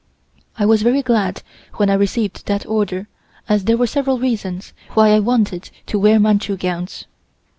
I was very glad when I received that order as there were several reasons why I wanted to wear Manchu gowns.